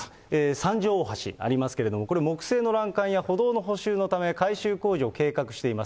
三条大橋、ありますけれども、これ木製の欄干や歩道の補修のため、改修工事を計画しています。